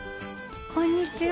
こんにちは